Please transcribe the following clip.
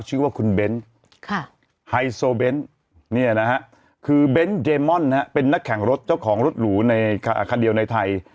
ชื่อว่าคุณเบ้นไฮโซเบนท์คือเบนท์เดมอนเป็นนักแข่งรถเจ้าของรถหรูในคันเดียวในไทย